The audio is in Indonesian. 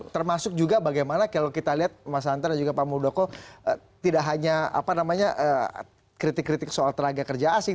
termasuk juga bagaimana kalau kita lihat mas hanta dan juga pak muldoko tidak hanya kritik kritik soal tenaga kerja asing